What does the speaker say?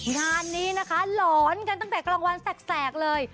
งานนี้นะคะหลอนกันตั้งแต่กลางวันแสกเลย